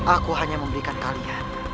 aku hanya memberikan kalian